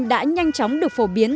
đã nhanh chóng được phổ biến